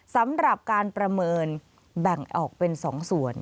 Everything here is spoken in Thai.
สำหรับการประเมินแบ่งออกเป็น๒ส่วน